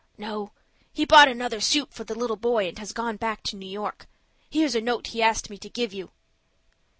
"No. He bought another suit for the little boy, and has gone back to New York. Here's a note he asked me to give you."